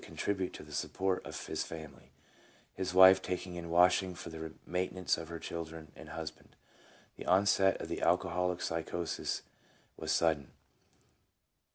He has for some time failed to contribute to the support of his family, his wife taking in washing for the main tenance of her children and husband. The onset of the alcoholic psychosis was sudden.